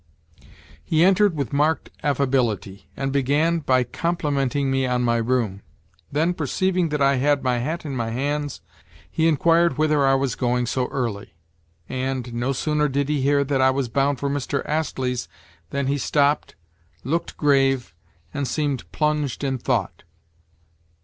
He entered with marked affability, and began by complimenting me on my room. Then, perceiving that I had my hat in my hands, he inquired whither I was going so early; and, no sooner did he hear that I was bound for Mr. Astley's than he stopped, looked grave, and seemed plunged in thought.